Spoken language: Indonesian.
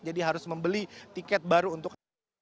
jadi harus membeli tiket baru untuk